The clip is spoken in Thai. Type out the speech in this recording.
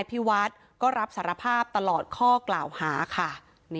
พี่วัดก็รับสารภาพตลอดข้อกล่าวหาค่ะ